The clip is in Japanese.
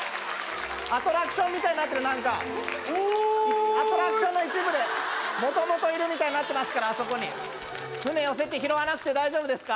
アトラクションみたいになってる何かおーいアトラクションの一部でもともといるみたいになってますからあそこに船寄せて拾わなくて大丈夫ですか？